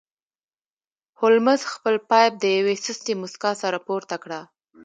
هولمز خپل پایپ د یوې سستې موسکا سره پورته کړ